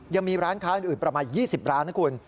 ยังมีร้านค้าอื่นประมาณ๒๐ร้านนะคุณ